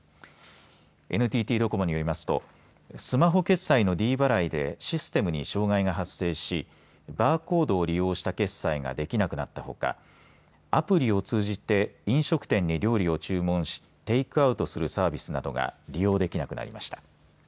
ＮＴＴドコモによりますとスマホ決済のｄ払いでシステムに障害が発生しバーコードを利用した決済ができなくなったほかアプリを通じて飲食店に料理を注文しテイクアウトするサービスなどが利用できなくなりました。